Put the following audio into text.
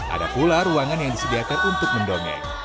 ada pula ruangan yang disediakan untuk mendongeng